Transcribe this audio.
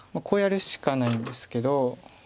こうやるしかないんですけど。